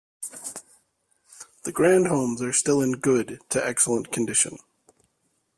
The grand homes are still in good to excellent condition.